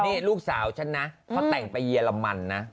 นี่ลูกสาวฉันนะเขาแต่งไปเยอรมันนะ